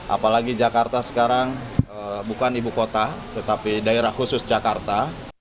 apalagi jakarta sekarang bukan ibu kota tetapi daerah khusus jakarta